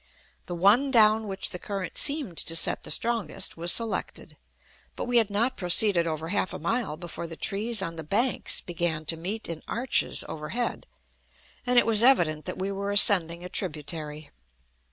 The one down which the current seemed to set the strongest was selected, but we had not proceeded over half a mile before the trees on the banks began to meet in arches overhead, and it was evident that we were ascending a tributary.